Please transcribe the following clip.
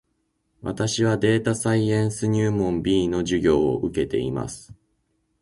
私はデータサイエンス入門 B の授業を受けています